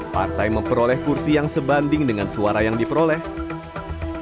partai memperoleh kursi yang sebanding dengan kursi yang terbuka